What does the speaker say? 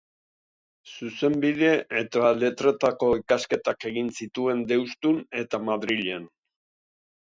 Zuzenbide eta Letretako ikasketak egin zituen Deustun eta Madrilen.